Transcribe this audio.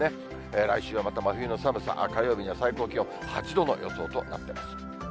来週はまた真冬の寒さ、火曜日には最高気温８度の予想となってます。